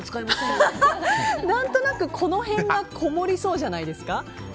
何となく、この辺がこもりそうじゃないですか？